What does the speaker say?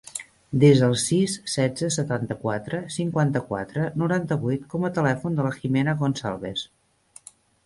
Desa el sis, setze, setanta-quatre, cinquanta-quatre, noranta-vuit com a telèfon de la Jimena Goncalves.